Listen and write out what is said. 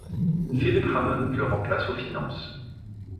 Philip Hammond le remplace aux Finances.